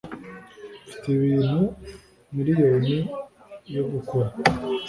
mfite ibintu miriyoni yo gukora